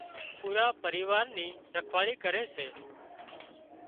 پورا پريوار ني رکواۯي ڪري سي